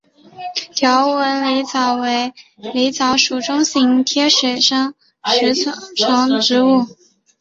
条纹狸藻为狸藻属中型贴水生食虫植物。